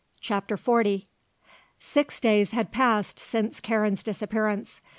CHAPTER XL Six days had passed since Karen's disappearance.